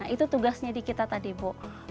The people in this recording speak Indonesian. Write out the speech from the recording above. itu tugasnya di kita tadi bu